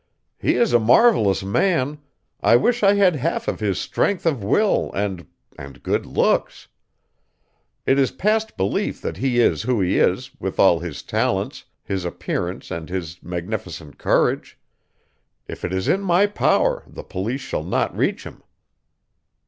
"He is a marvelous man. I wish I had half of his strength of will and and good looks. It is past belief that he is what he is, with all his talents, his appearance and his magnificent courage. If it is in my power the police shall not reach him.